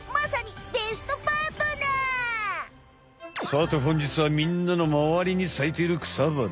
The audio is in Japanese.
さてほんじつはみんなのまわりに咲いている草花。